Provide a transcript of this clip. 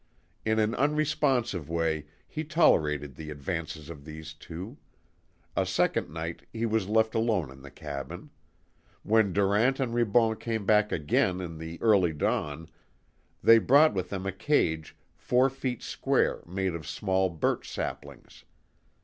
In an unresponsive way he tolerated the advances of these two. A second night he was left alone in the cabin. When Durant and Ribon came back again in the early dawn they brought with them a cage four feet square made of small birch saplings.